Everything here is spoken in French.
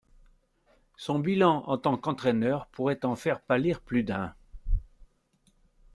Son bilan en tant qu'entraîneur pourrait en faire pâlir plus d'un.